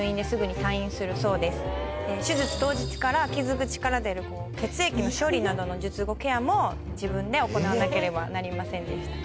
手術当日から傷口から出る血液の処理などの術後ケアも自分で行わなければなりませんでした。